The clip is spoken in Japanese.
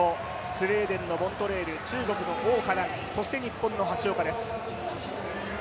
スウェーデンのモントレール、中国の王嘉男、そして日本の橋岡です。